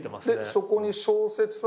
そこに小説は。